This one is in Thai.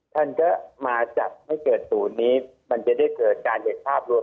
ท่านก็มาจัดให้เกิดศูนย์นี้มันจะได้เกิดการเห็นภาพรวม